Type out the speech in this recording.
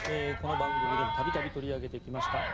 この番組でも度々取り上げてきました。